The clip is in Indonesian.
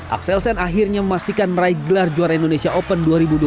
axelsen akhirnya memastikan meraih gelar juara indonesia open dua ribu dua puluh